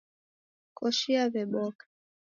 Koshi yaw'eboka.